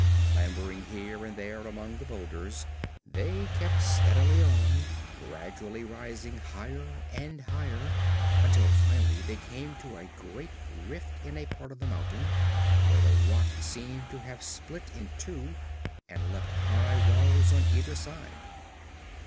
Clambering here and there among the boulders they kept steadily on, gradually rising higher and higher until finally they came to a great rift in a part of the mountain, where the rock seemed to have split in two and left high walls on either side.